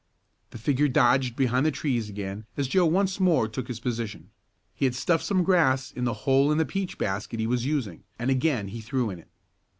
The figure dodged behind the trees again as Joe once more took his position. He had stuffed some grass in the hole in the peach basket he was using, and again he threw in it.